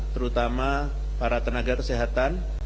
terutama para tenaga kesehatan